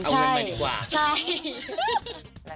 เออเอาเงินมาดีกว่า